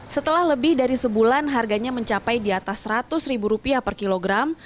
setelah lebih dari sebulan harganya mencapai di atas seratus ribu rupiah per kilogram